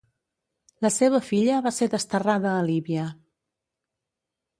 La seva filla va ser desterrada a Líbia.